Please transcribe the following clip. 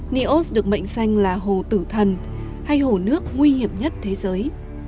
neos được mệnh danh là hồ tử thần hay hồ nước nguy hiểm nhất thế giới